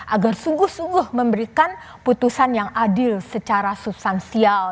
agar sungguh sungguh memberikan putusan yang adil secara substansial